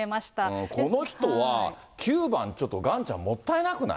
この人は、９番、ちょっと岩ちゃん、もったいなくない？